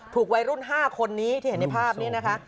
วัยรุ่น๕คนนี้ที่เห็นในภาพนี้นะคะ